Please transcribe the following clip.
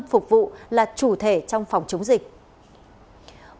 phục vụ là chủ thể trong phòng chống dịch